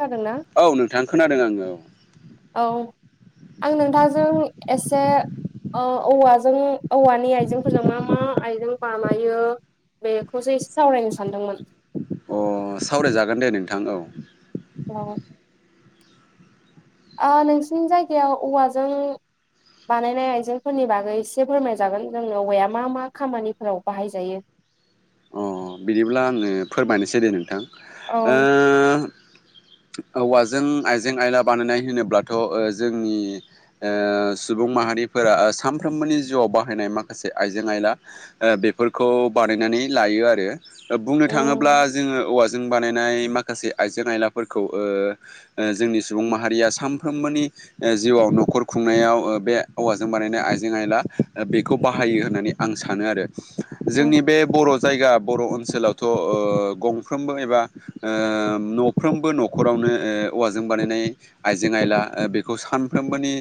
खोनादोंना औ नोंथांा खोनादों आङो औ औ आं नोंथांजों एसे औ औवाजों औवानि आइजेंफोरजों मा मा आइजें बानायायो बेखौसो एसे सावरायनो सानदोंमोन औ अ सावरायजागोन दे नोंथां औ औ नोंसिनि जायगायाव औवाजों बानायनाय आइजेंफोरनि बागै एसे फोरमायजागोन जोंनो औवाया मा मा खामानिफोराव बाहायजायो। अ बिदिब्ला आङो फोरमायनोसै दे नोंथां औ ओ औवाजों आइजें आयला बानायनाय होनोब्लाथ' ओ जोंनि ओ सुबुं माहारिफोरा सानफ्रोमबोनि जिउआव बाहायनाय माखासे आइजें आयला बेफोरखौ बानायनानै लायो आरो बुंनो थाङोब्ला उम जोङो औ जों बानायनाय माखासे आइजें आयलाफोरखौ ओ जोंनि सुबुं माहारिया सानफ्रोमबोनि ओ जिउआव न'खर खुंनायाव ओ बे हौवाजों बानायनाय आइजें आयला बेखौ बाहायो होननानै आं सानो आरो जोंनि उम बे बर' जायगा बर' ओनसोलावथ' ओ गंफ्रबो एबा ओ न'फ्रोमबो न'खरावनो ओ औवाजों बानायनाय आइजें आयला ओ बेखौ सानफ्रोमबोनि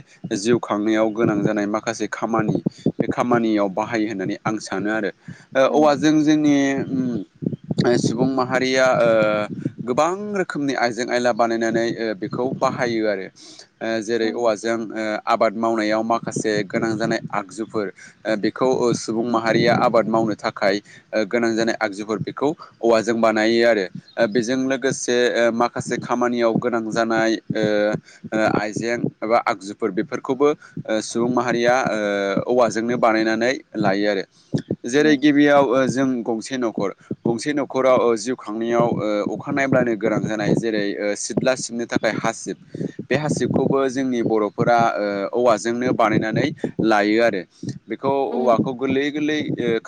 जिउ खांनायाव गोनां जानाय माखासे खामानि बे खामानियाव बाहायो होननानै आं सानो आरो ओ उम औव जों जोंनि सुबुं माहारिया ओ गोबां रोखोमनि आइजें आयला बानायनानै बे खौ बाहायो आरो जेरै औव उम जों आबाद मावनायाव माखासे गोनां जानाय आगजुफोर ओ बेखौ ओ सुबुं माहारिया आबाद मावनो थाखाय ओ गोनां जानाय आगजुफोर बेखौ औवाजों बानायो आरो बेजों लोगोसे ओ माखासे खामानियाव गोनां जानाय ओ ओ आइजें एबा आगजुफोर बेफोरखौबो ओ सुबुं माहारिया ओ औवाजोंनो बानायनानै लायो आरो जेरै उम गिबियाव ओ जों गंसे न'खर गंसे न'खराव ओ जिउ खांनायाव ओ अख नायब्लानो गोनां जानाय जेरै सिथ्ला खिबनो थाखाय हासिब बे हासिबखौबो जोंनि बर'फोरा ओ औवाजोंनो बानायनानै लायो आरो बेखौ उम औवाखौ गोरलै गोरलै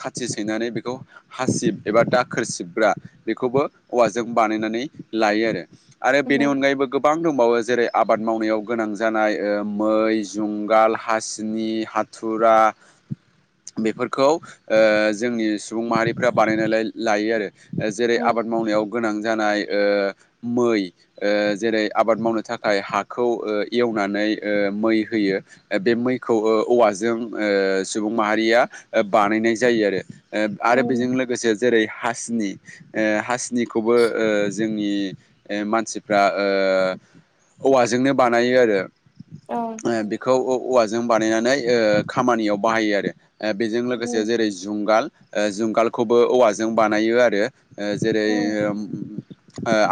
खाथि सैनानै ओ बेखौ हासिब एबा दाखोरसिबग्रा बेखौबो औौवाजों बानायनानै लायो आरो आरो बेनि उम अनगायैबो गोबां दंबावो जेरै आबाद मावनायाव गोनां जानाय ओ मै जुंगाल हासिनि थुरा बेफोरखौ ओ जोंनि सुबुं माहारि फोर बानायनानैाय लायो आरो जेरै उम आबाद मावनायाव गोनां जानाय ओ मै ओ जेरै आबाद मावनो थाखाय हाखौ ओ एवनानै ओ मै होयो ओ बे मैखौ ओ औवाजों ओ सुबुं माहारिया बानायनाय जायो आरो ओ आरो बेजों उम लोगोसे जेरै हासिनि ओ हासिनिखौबो ओ जोंनि मानसिफ्रा ओ औवाजोंनो बानायो आरो औ ओ बेखौ औ औवाजों बानायनानै ओ खामानियाव बाहायो आरो ओ बेजों लोगोसे उम जेरै जुंगाल ओ जुंगालखौबो औवाजों बानायो आरो ओ जेरै उम ओ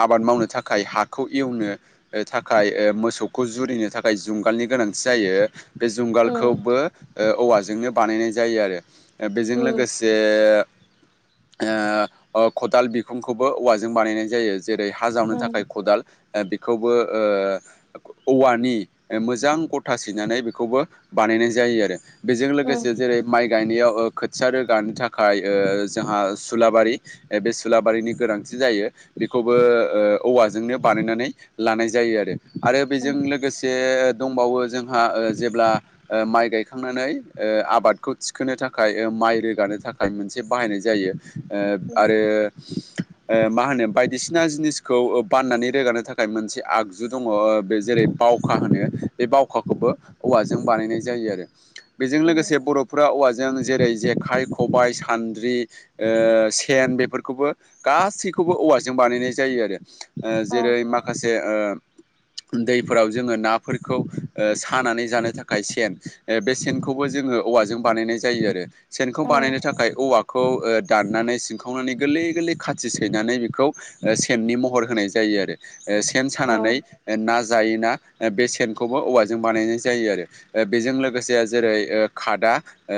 आबाद मावनो थाखाय हाखौ एवनो थाखाय ओ मोसौखौ जुरिनो थाखाय जुंगालनि गोनांथि जायो बे उम जुंगालखौबो ओ औवाजोंनो बानायनाय जायो आरो बेजों उम लोगोसे ओ आं खदाल बिखुंखौबो औवाजों बानायनाय जायो जेरै हा जावनो उम थाखाय खदाल आं बेखौबो ओ औवानि मोजां गथा सनानै बेखौबो बानायनाय जायो आरो बेजों उम लोगोसे जेरै माइ गायनायाव ओ खोथिया रोगानो थाखाय ओ जोंहा सुलाबारि ओ बे सुलाबारिनि गोनांथि जायो। बेखौबो ओ औवाजोंनो बानायनानै लानाय जायो आरो। आरो बेजों लोगोस दे दंबावो जोंहा ओ जेब्ला ओ माइ गायखांनानै ओ आबादखौ थिखोनो थाखाय ओ माइ रोगानो थाख खाय मोनसे बाहायनाय जायो। ओ उम आरो ओ मा होनो बायदिसिना जिनिसखौ बाननानै रोगानो थाखाय मोनसे आगजु दङ बे जेरै बावखा होनो बे बावखाखौबो औवाजों बानायनाय जायो आरो। बेजों उम लोगोसे बर'फोरा औवाजों जेरै जेखाइ खबायाइ सान्द्रि ओ सेन बेफोरखौबो गासैखौबो औवाजों बानायनाय जायो आरो। ओ औ जेरै माखासे ओ दैफोराव जोङो नाफोरखौ ओ सानानै जानो थाखाय सेन ओ बे सेनखौबो जोङो औवाजों बानायनाय जायो आरो। सेन खौ औ बानायनो थाखाय। औवाखौ ओ दाननानै सिंखावनानै गोरलै गोरलै खाथि सैनानै बेखौ ओ सेननि महर होनाय जायो आरो। ओ सेन औ सानानै ओ ना जायोना ओ बे सेनखौबो औवाजों बानायनाय जायो आरो। ओ बेजों लोगोसे जेरै ओ खादा ओ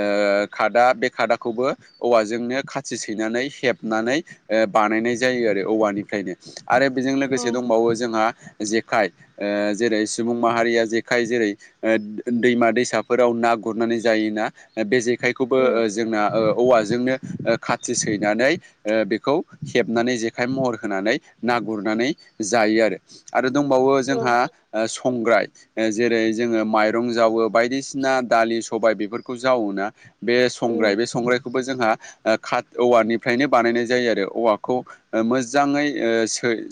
खादा बे खादाखौबो औवाजोंनो खाथि सैनानै हेबनानै ओ बानायनाय जायो आरो औवानिफ्रायनो। आरो बेजों लोगोसे उम दंबावो जोंहा जेखाइ ओ जेरै सुबुं माहारिया जेखाय जेरै ओ दैमा दैसाफोराव ना गुरनानै जायोना? बे जेखायखौबो उम जोंना ओ औवाजोंनो ओ खाथि सैनानै ओ बेखौ हेबनानै जेखाइ महर होनानै ना गुरनानै जायो आरो। आरो दंबावो जोंहा ओ संग्राय ओ जेरै जोङो माइरं जावो बायदिसिना दालि, सबाय बेफोरखौ जावोना? बे संग्राय उम बे संग्रायखौबो जोंहा ओ खाद औवानिफ्रायनो बानायनाय जायो आरो औवाखौ ओ मोजाङै ओ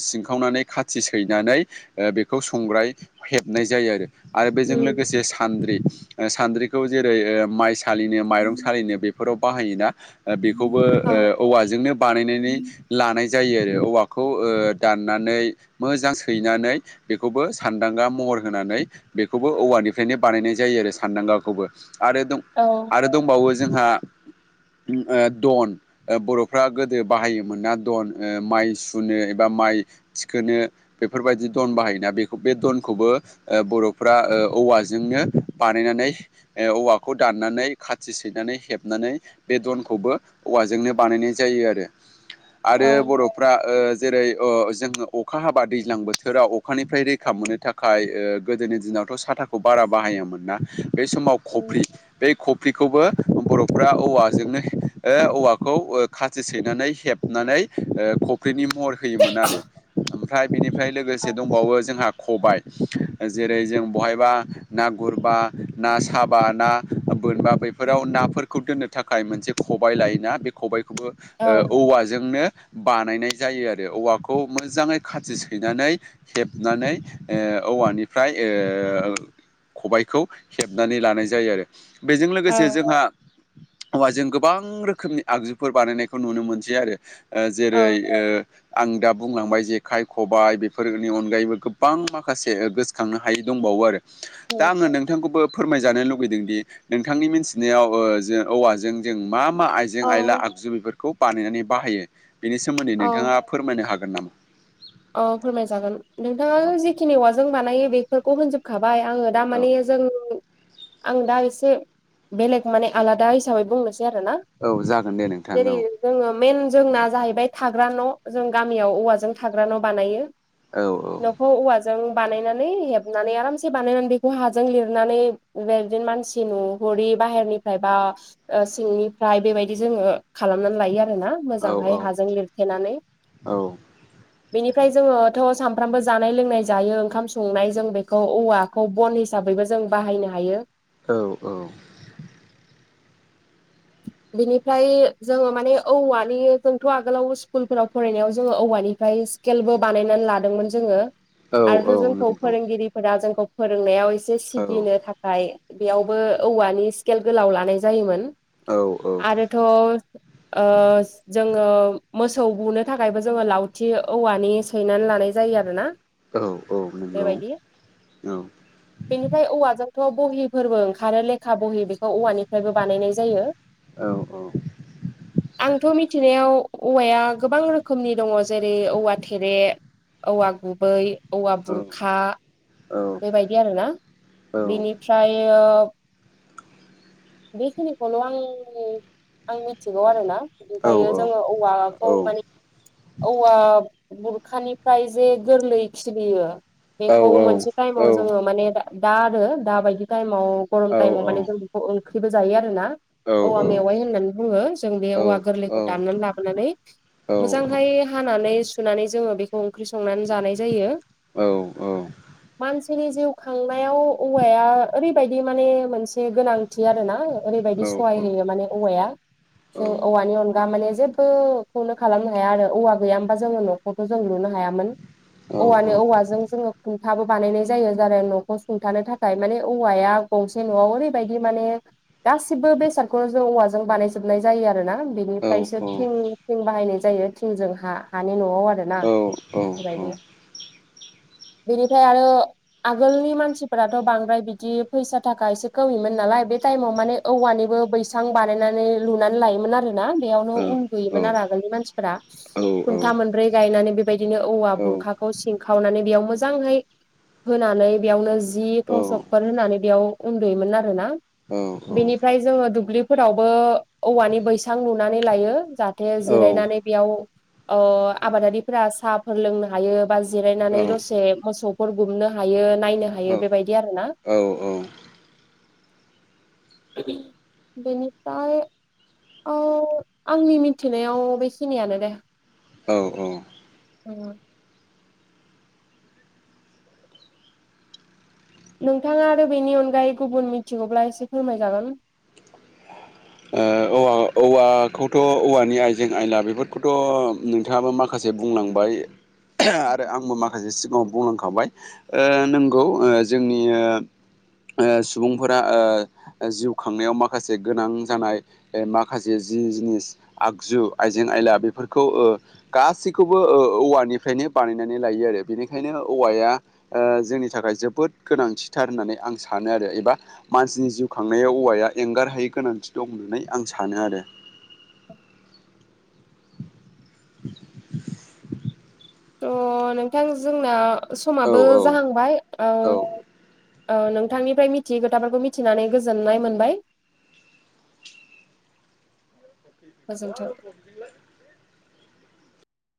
सिनखावनानै खाथि सैनानै ओ बेखौ संग्राय हेबनाय जायो आरो। आरो बेजों लोगोसे सान्द्रि ओ सान्द्रिखौ जेरै ओ माइसालिनो माइरं सालिनो बेफ फोराव बाहायोना। ओ बेखौबो ओ औ औवाजोंनो बानायनानै लानाय जायो आरो। औवाखौ ओ दाननानै मोजां सैनानै बेखौबो सानदांगा महर होनानै बेखौबो औवानिफ्रायनो बानायनाय जायो आरो सानदांगाखौबो। आरो दं औ आरो दंबावो जोंहा ओ दन ओ बर'फ्रा गोदो बाहायोमोनना दन ओ माइ सुनो एबा माइ थिखोनो बेफोरबायदि दन बाहायोना बेखौ बे दनखौबो ओ बर'फ्रा ओ औवाजोंनो बानायनानै ओ औवाखौ दाननानै खाथि सै नानै हेबनानै बे दनखौबो औवाजोंनो बानायनाय जायो आरो। औ आरो बर फ्रा ओ जेरै ओ जोङो अखा हाबा दैज्लां बोथोराव अखानिफ्राय रैखा मोननो थाख खाय ओ गोदोनि दिनावथ' साथाखौ बारा बाहायोमोन ना। बै समाव खफ्रि बे खफ्रिखौबो बर'फ्रा औवाजोंनो हे ओ औवाखौ ओ खाथि सैनानै हेबनानै ओ फख्रिनि महर होयोमोन आरो। ओमफ्राय बेनिफ्राय औ लोगोसे दंबावो जोंहा खबाय ओ जेरै जों बहायबा ना गुरबा ना साबा ना बोनबा बै फोराव नाफोरखौ दोननो थाखाय मोनसे खबाय लायोना। बे खबायखौबो औ ओ औवाजोंनो बानायनाय जायो आरो। औवाखौ मोजाङै खाथि सैनानै हेबनानै ओ औवानिफ्राय ओ खबायखौ हेबनानै लानाय जायो आरो। बेजों लोगोसे औ जोंहा औवाजों गोबां रोखोमनि आगजुफोर बानायनायखौ नुनो मोनसै आरो ओ जेरै ओ आं दा बुंलांबाय जेखाय खबबाय बेफोरनि अनगायैबो गोबां माखासे गोसोखांनो हायि दंबावो आरो दा आङो नोंथांखौबो फोरमायजानो लुुबैदों दि नोंथांनि मोन नियाव ओ जों औवाजों जों मा मा आइजें आइला आगजु बेफोरखौ बानायनानै बाहायो। बेनि सोमोन्दै औ नोंथाङा फोरमायनो हागोन नामा? औ फोरमाय जागोन। नोंथाङा औ जिखिनि औवाजों बानायो बेफोरखौ होनजोब खाबाय आङो औ दामाने जों आं दा एसे बेलेग माने आलादा हिसाबै बुंनोसै आरो ना औ जागोन दे नोंथां औ जोङो मेन जोंना जाहैबाय थाग्रा न' जों गामियाव औवाजों थाग्रा न' बानायो। औ न'खौ ओवा जों बानायनानै हेबनानै आरामसे बानायनानै बेखौ हाजों लिरनानै बे बिदिनो मानसि न' [unintelligible] बाहेरनिफ्राय बा सिंनिफ्राय बेबायदि जोङो खालामनानै लायो आरो ना औ मोजांहाय हाजों लिरथेनानै औ बेनिफ्राय जोङोथ' सानफ्रामबो जानाय लोंनाय जायो ओंखाम संनाय जों बेखौ औवा खौ बन हिसाबैबो जों बाहायनो हायो। औ औ बिनिफ्राय जोङो माने औवानि जोंथ' आगोलाव स्कुलफोराव फरायनायाव जोङो औवानिफ्राय सि केलबो बानायनानै लादोंमोन जोङो औ औ आरो जोंखौ नंगौ फोरोंगिरि फोरा जोंखौ फोरोंनायाव एसे औ सिगिनो थाखाय बेयावबो औवानि स्केल गोलाव लानाय जायोमोन। औ आरोथ' ओ जोङो मोसौ बुनो थाखायबो जोङो लावथि औवानि सैनानै लानाय जायो आरोना। औ औ नंगौ बेबायदि औ बेनिफ्राय औवाजोंथ' बहिफोरबो ओंखारो लेखा बहि बेखौ औवानिफ्रायबो बानायनाय जायो। [inaudible] आंथ' मिथिनायाव औवाया गोबां रोखोमनि दङ जेरै औवा थेरे औवा गुबै, औवा बुरखा औ बेबायदि आरोना बिनिफ्राय बेखिनिखौल' आं आं मिथिगौ आरोना। ओमफ्रायो जोङो औवाखौ माने औवा बुरखानिफ्राय जे गोरलै खिलियो बेखौ मोनसे टाइमाव जोङो माने दा आरो दाबायदि टाइमाव गरम टाइमाव माने जों बेखौ ओंख्रिबो जायो आरोना। औवा मेवाइ होननानै बुङो जों बे औवा गोरलैखौ दाननानै लाबोनानै मोजांहाय हानानै सुनानै जोङो बेखौ ओंख्रि संनानै जानाय जायो। औ मानसिनि जिउ खांनायाव औवाया ओरैबायदि माने मोनसे गोनां थि आरो ना ओरैबायदि सहाय होयो माने औवाया जों औवानि अनगा माने जेबोखौनो खालामनो हाया आरो औवा गैया होनबा जोङो न' खौथ' जों लुनो हायामोन औवानो औवाजों जोङो सुंथाबो बानायनाय जायो ज न'खौ सुंथानो थाखाय माने औवाया गंसे न'आव ओरैबायदि माने गासिबो बेसादखौनो जों औवाजों बानाय जोबनाय जायो आरो ना बेनिफ्रायसो थिं थिं बाहायनाय जायो थिंजों हा हानि न'आव आरो ना बेफोरबायदि बेनिफ्राय आरो आगोलनि मानसिफोराथ' बांद्राय बिदि फैसा थाखा एसे खोमिमोन नालाय बे टाइमाव माने औवानिबो बैसां बानायनानै लुनानै लायोमोन आरो ना बेयाव नो बेबायदिनो औवा बुरखाखौ सिंखावनानै बेयाव मोजाङै होनानै बेयावनो। जि सकफोर होननानै बेयाव उन्दुयोमोन आरोना बेनिफ्राय जोङो दुब्लिफोरावबो औवानि बैसां लुनानै लायो। जाहाथे जिरायनानै बेयाव ओ आबादारिफोरा साहाफोर लोंनो हायो। बा जिरायनानै दसे मोसौफोर गुमनो हायो नायनो हायो बेबायदि आरो ना औ औ बेनिफ्राय आं आंनि मिथिनायाव बे सिनियानो दे औ औ। ओ नोंथाङा आरो बेनि अनगायै गुबुन मिथिगौब्ला एसे फोरमायजागोन। औ औवाखौथ' औवानि आइजें आयला बेफोरखौथ' बिथाङाबो माखासे बुंलांबाय आरो आंबो माखासे सिगाङाव बुंलांखाबाय। ओ नंगौ जोंनि ओ सुबुंफोरा जिउ खांनायाव मा माखासे गोनां जानाय माखासे जि जिनिस आगजु आइजें आयला बेफोरखौ गासैखौबो औवानिफ्रायनो बानायनानै लायो आरो बेनिखायनो औवाया जोंनि थाखाय जोबोद गोनांथिथार होननानै आं सानो आरो एबा मानसिनि जिउ खांनायाव औवाया एंगार हायै गोनांथि दं होननानै आं सानो आरो। [inaudible] थ' नोंथां जोंना औ समाबो औ जाहांबाय औ ओ नोंथांनिफ्राय मिथियै खोथाफोरखौ मिथिनानै गोजोननाय मोनबाय। गोजोन्थों। [unintelligible]